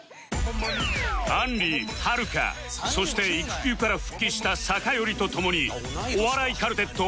あんりはるかそして育休から復帰した酒寄と共にお笑いカルテット